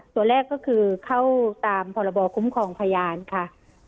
ตัวแรกก็คือเข้าตามพรบคุ้มครองพยานค่ะ